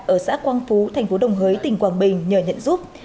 ở xã quang phú thành phố đồng hới tỉnh quảng bình nhờ nhận giúp